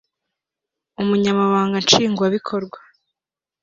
Umunyamabanga Nshingwabikorwa